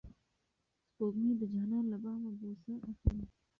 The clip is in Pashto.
سپوږمۍ د جانان له بامه بوسه اخلي.